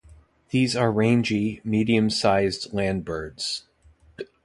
These are rangy, medium-sized landbirds.